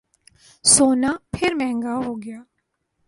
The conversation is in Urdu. سونا پھر مہنگا ہوگیا